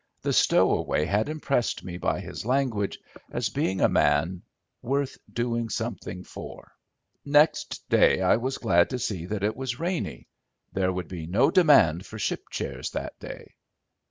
The stowaway had impressed me by his language as being a man worth doing something for. Nest day I was glad to see that it was rainy. There would be no demand for ship chairs that day.